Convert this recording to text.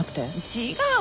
違う。